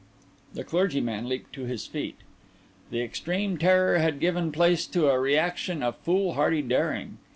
The clergyman leaped to his feet. The extreme of terror had given place to a reaction of foolhardy daring.